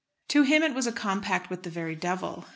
To him it was a compact with the very devil.